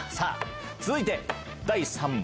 続いて第３問。